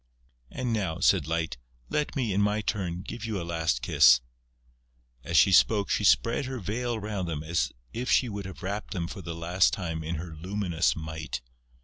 "And now," said Light, "let me, in my turn, give you a last kiss...." As she spoke, she spread her veil round them as if she would have wrapped them for the last time in her luminous might.